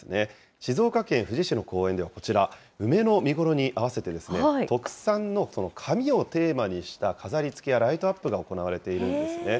静岡県富士市の公園では、こちら、梅の見頃に合わせて、特産の紙をテーマにした飾りつけやライトアップが行われているんですね。